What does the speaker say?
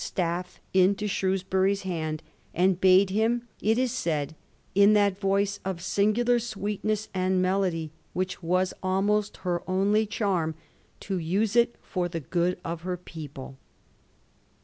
staff into Shrewsbury's hand, and bade him, it is said, in that voice of singular sweetness and melody which was almost her only charm, to use it for the good of her people.